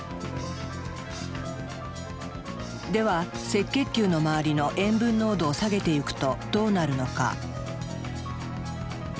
では赤血球の周りの塩分濃度を下げていくとどうなるのか？